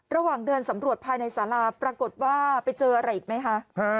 ระหว่างเดินสำรวจภายในสาราปรากฏว่าไปเจออะไรอีกไหมคะ